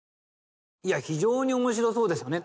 いや非常に面白そうですね。